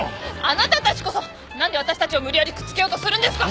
あなたたちこそ何で私たちを無理やりくっつけようとするんですか！